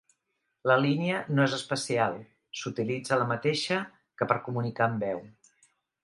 La línia no és especial, s'utilitza la mateixa que per comunicar amb veu.